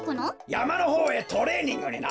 やまのほうへトレーニングにな。